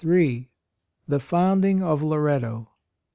— The Founding of Loretto.